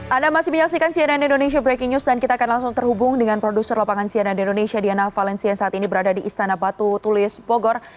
anda masih menyaksikan cnn indonesia breaking news dan kita akan langsung terhubung dengan produser lapangan cnn indonesia diana valencia yang saat ini berada di istana batu tulis bogor